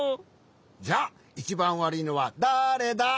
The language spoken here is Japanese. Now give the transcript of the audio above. じゃあいちばんわるいのはだれだ？